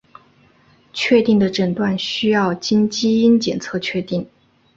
确定的诊治需要经基因检测确定。